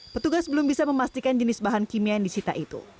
petugas belum bisa memastikan jenis bahan kimia yang disita itu